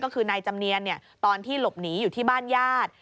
ก็คือนายจำเนียนตอนที่หลบหนีอยู่ที่บ้านญาติ